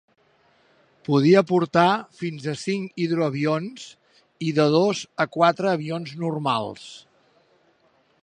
Podia portar fins a cinc hidroavions i de dos a quatre avions normals.